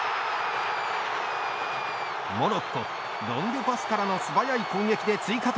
モロッコ、ロングパスからの素早い攻撃で追加点。